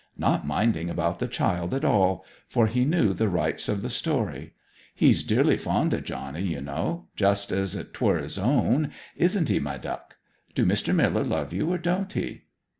Not minding about the child at all; for he knew the rights of the story. He's dearly fond o' Johnny, you know just as if 'twere his own isn't he, my duck? Do Mr. Miller love you or don't he?'